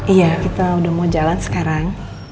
iya kita udah mau jalan sekarang